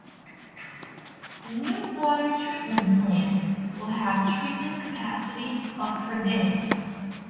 The new water treatment plant will have treatment capacity of per day.